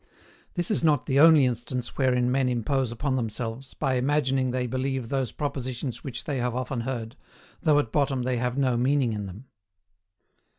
This is not the only instance wherein men impose upon themselves, by imagining they believe those propositions which they have often heard, though at bottom they have no meaning in them.